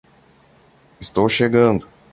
Estou chegando!